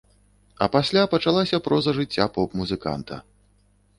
А пасля пачалася проза жыцця поп-музыканта.